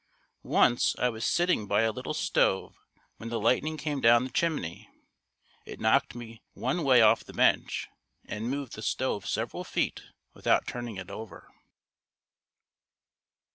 Once I was sitting by a little stove when the lightning came down the chimney. It knocked me one way off the bench and moved the stove several feet without turning it over.